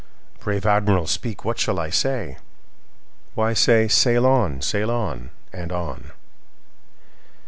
Brave Admiral, speak, what shall I say?""Why, say, 'Sail on! sail on! and on!